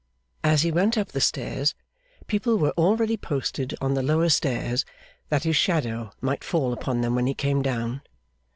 As he went up the stairs, people were already posted on the lower stairs, that his shadow might fall upon them when he came down.